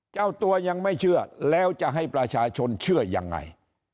เจ้าตัวยังไม่เชื่อแล้วจะให้ประชาชนเชื่อยังไง